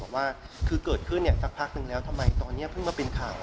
ว่าคือเกิดขึ้นสักพักนึงแล้วทำไมตอนนี้เพิ่งมาเป็นข่าว